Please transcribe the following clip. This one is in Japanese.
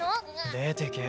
出てけ。